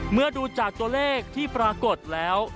เมื่อดูจากตัวเลขที่ปรากฏแล้ว